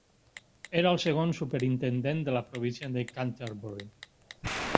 Era el segon Superintendent de la província de Canterbury.